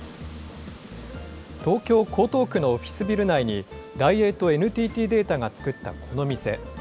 東京・江東区のオフィスビル内にダイエーとＮＴＴデータが作ったこの店。